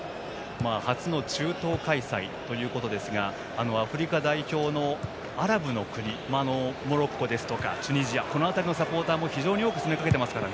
初の中東開催ということですがアフリカ代表のアラブの国モロッコやチュニジアその辺りのサポーターも非常に多く詰め掛けてますから。